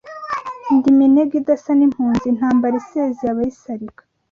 Ndi Minega idasa n'impunzi, intambara isezeye abayisalika